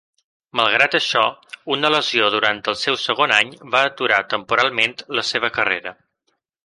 Malgrat això, una lesió durant el seu segon any va aturar temporalment la seva carrera.